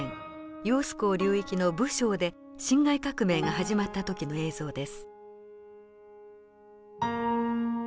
揚子江流域の武昌で辛亥革命が始まった時の映像です。